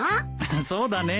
そうだねえ。